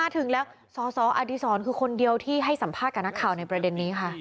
ถึงแล้วสอสออดีศรคือคนเดียวที่ให้สัมภาษณ์กับนักข่าวในประเด็นนี้ค่ะ